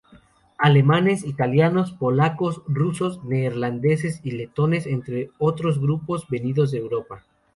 Alemanes, italianos, polacos, rusos, neerlandeses y letones, entre otros grupos venidos de Europa.